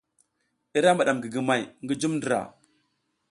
Ira miɗam gigimay ngi jum ndra.